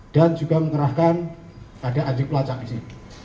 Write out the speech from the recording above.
dan juga mengerahkan ada adik pelacak disini